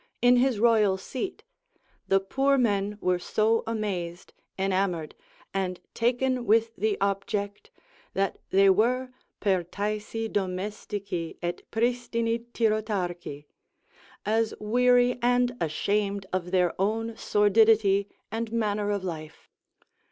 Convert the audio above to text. in his royal seat, the poor men were so amazed, enamoured, and taken with the object, that they were pertaesi domestici et pristini tyrotarchi, as weary and ashamed of their own sordidity and manner of life.